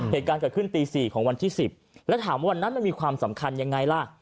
เหตุการณ์เกิดขึ้นตี๔ของวันที่๑๐แล้วถามว่าวันนั้นมันมีความสำคัญยังไงล่ะ